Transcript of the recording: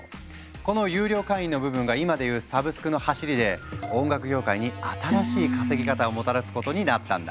この有料会員の部分が今で言うサブスクのはしりで音楽業界に新しい稼ぎ方をもたらすことになったんだ。